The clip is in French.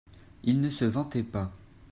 Il ne se vantait pas.